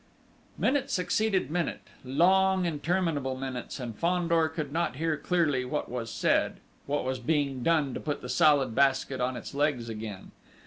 Minute succeeded minute, long, interminable minutes, and Fandor could not hear clearly what was said, what was being done to put the Salad Basket on its legs again....